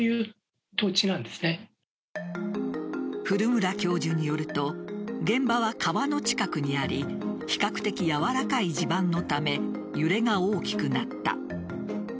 古村教授によると現場は川の近くにあり比較的やわらかい地盤のため揺れが大きくなった。